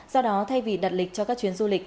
do đó thay vì đặt lịch cho các chuyến du lịch